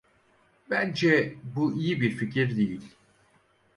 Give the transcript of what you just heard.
Bence bu iyi bir fikir değil.